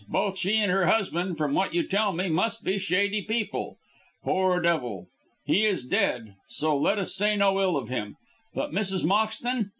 Both she and her husband, from what you tell me, must be shady people. Poor devil! He is dead, so let us say no ill of him. But Mrs. Moxton.